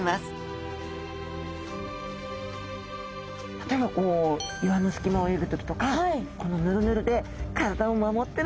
例えば岩の隙間を泳ぐ時とかこのヌルヌルで体を守ってるんですね。